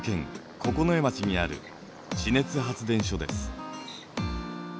九重町にある地熱発電所です。